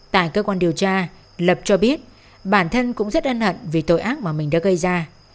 tại cơ quan điều tra lập cho biết bản thân cũng rất ân hận vì tội ác mà mình đã gây ra